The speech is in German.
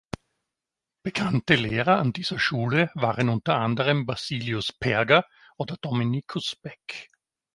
Bekannte Lehrer an dieser Schule waren unter anderem Basilius Perger oder Dominicus Beck.